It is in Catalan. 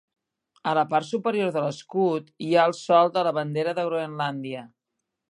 A la part superior de l'escut hi ha el sol de la bandera de Groenlàndia.